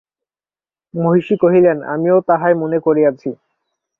মহিষী কহিলেন, আমিও তাহাই মনে করিয়াছি।